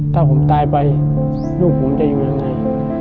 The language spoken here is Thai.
ถ้าผมตายไปลูกผมจะอยู่ยังไง